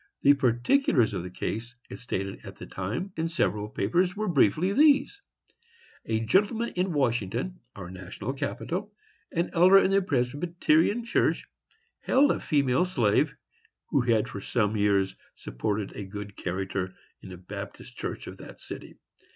The particulars of the case, as stated, at the time, in several papers, were briefly these: A gentleman in Washington, our national capital,—an elder in the Presbyterian church,—held a female slave, who had, for some years, supported a good character in a Baptist church of that city.